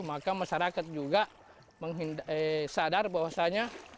maka masyarakat juga sadar bahwasannya